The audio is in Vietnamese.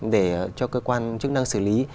để cho cơ quan chức năng xử lý